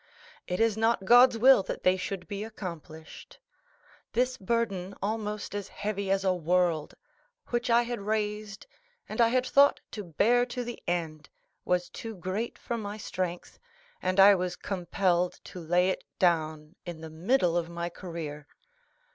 It is not God's will that they should be accomplished. This burden, almost as heavy as a world, which I had raised, and I had thought to bear to the end, was too great for my strength, and I was compelled to lay it down in the middle of my career.